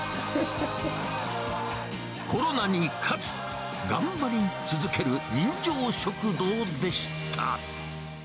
コロナに勝つ、頑張り続ける人情食堂でした。